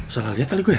salah liat kali gue ya